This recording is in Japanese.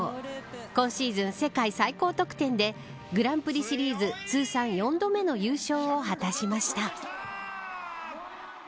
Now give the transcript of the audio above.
今シーズン世界最高得点でグランプリシリーズ通算４度目の優勝を果たしました。